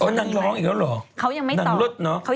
อ๋อนั่งร้องอีกแล้วเหรอนั่งรถเนอะ